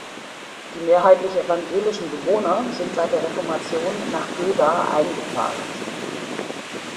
Die mehrheitlich evangelischen Bewohner sind seit der Reformation nach Göda eingepfarrt.